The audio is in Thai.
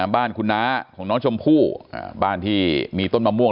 บ้านคุณน้าของน้องชมพู่บ้านที่มีต้นมะม่วง